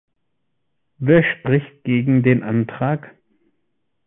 Wer spricht gegen den Antrag?